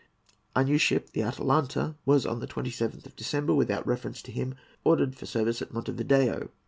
A new ship, the Atulanta, was on the 27th of December, without reference to him, ordered for service at Monte Video.